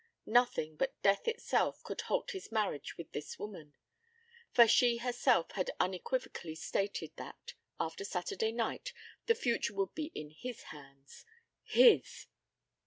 Nothing but death itself could halt his marriage with this woman, for she herself had unequivocally stated that after Saturday night the future would be in his hands. _His!